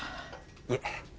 いえ